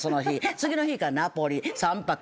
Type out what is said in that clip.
次の日からナポリ３泊。